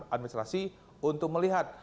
administrasi untuk melihat